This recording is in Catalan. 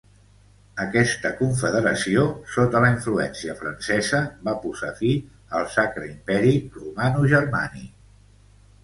Aquesta confederació, sota la influència francesa, va posar fi al Sacre Imperi Romanogermànic.